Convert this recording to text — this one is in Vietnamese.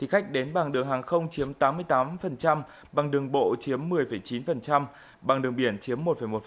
khách đến bằng đường hàng không chiếm tám mươi tám bằng đường bộ chiếm một mươi chín bằng đường biển chiếm một một